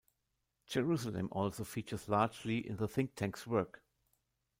Jerusalem also features largely in the think-tank's work.